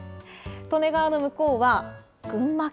利根川の向こうは群馬県。